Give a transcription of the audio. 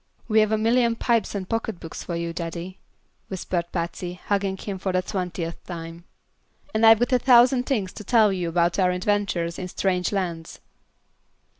"We've a million pipes and pocket books for you, daddy," whispered Patsy, hugging him for the twentieth time; "and I've got a thousand things to tell you about our adventures in strange lands."